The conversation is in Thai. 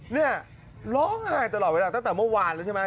เนี่ยร้องไห้ตลอดเวลาตั้งแต่เมื่อวานแล้วใช่ไหม